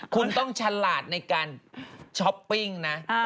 คุณต้องฉลาดในการช้อปปิ้งนะ